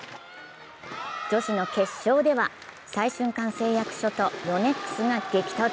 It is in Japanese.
女子の決勝では再春館製薬所とヨネックスが激突。